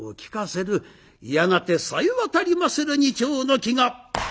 やがてさえわたりまする二丁の柝が。